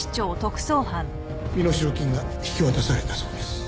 身代金が引き渡されたそうです。